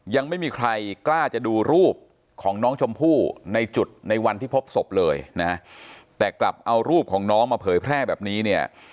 ยังไม่มีใครกล้าจะดูรูปของน้องชมพู่ในจุดในวันที่พบศพเลยนะแต่กลับเอารูปของน้องมาเผยแพร่แบบนี้เนี่ย